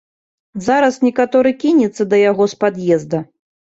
Зараз некаторы кінецца да яго з пад'езда.